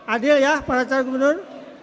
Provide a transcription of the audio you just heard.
adil ya para calon gubernur